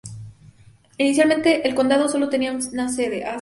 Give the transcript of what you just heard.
Inicialmente el condado solo tenía una sede, Ozark.